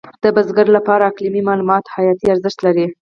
د بزګر لپاره اقلیمي معلومات حیاتي ارزښت لري.